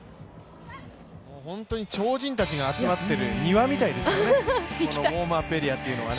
本当に超人たちが集まってる庭みたいですよね、ウォームアップエリアというのはね。